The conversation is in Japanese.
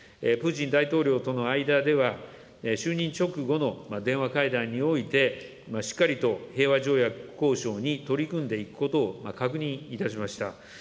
プーチン大統領との間では、就任直後の電話会談において、しっかりと平和条約交渉に取り組んでいくことを確認いたしました。